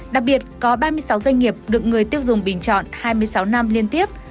đặc biệt có ba mươi sáu doanh nghiệp được người tiêu dùng bình chọn hai mươi sáu năm liên tiếp